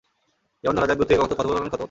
যেমন ধরা যাক, দূর থেকে কথোপকথনের ক্ষমতা।